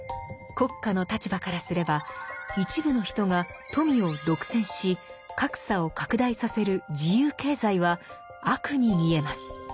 国家の立場からすれば一部の人が富を独占し格差を拡大させる自由経済は「悪」に見えます。